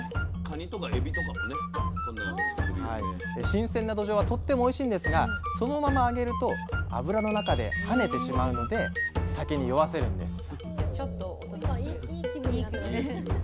新鮮などじょうはとってもおいしいんですがそのまま揚げると油の中で跳ねてしまうので酒に酔わせるんです